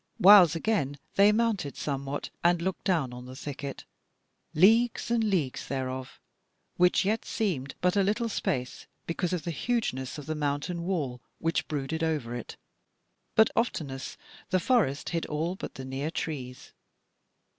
Whiles again they mounted somewhat, and looked down on the thicket, leagues and leagues thereof, which yet seemed but a little space because of the hugeness of the mountain wall which brooded over it; but oftenest the forest hid all but the near trees.